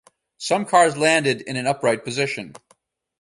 Some cars landed in an upright position.